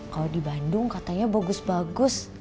kalau di bandung katanya bagus bagus